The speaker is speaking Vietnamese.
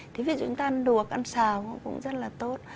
thế ví dụ chúng ta ăn đùa ăn xào cũng rất là tốt